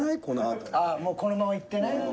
ああもうこのままいってね。